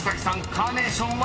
カーネーションは？］